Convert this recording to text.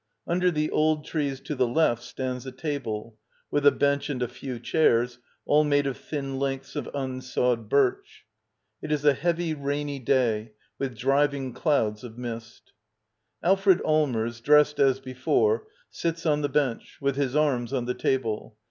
Under the old trees to the left stands a table, with a bench and a few chairs, all made of thin lengths of unsawed birch. It is a heavy, rainy day, with driving clouds of mist. Alfred Allmers, dressed as before, sits on the bench, with his arms on the table.